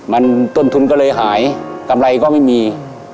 มันต้นทุนก็เลยหายกำไรก็ไม่มี